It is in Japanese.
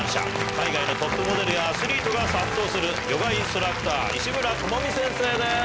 海外のトップモデルやアスリートが殺到するヨガインストラクター石村友見先生です。